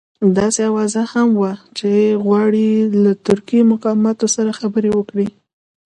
داسې اوازه هم وه چې غواړي له ترکي مقاماتو سره خبرې وکړي.